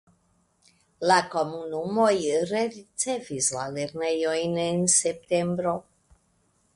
La komunumoj rericevis la lernejojn en septembro.